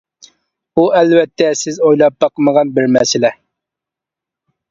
بۇ ئەلۋەتتە سىز ئويلاپ باقمىغان بىر مەسىلە.